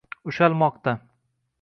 Ushalmoqda